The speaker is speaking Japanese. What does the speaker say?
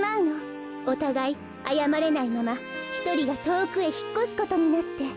おたがいあやまれないままひとりがとおくへひっこすことになって。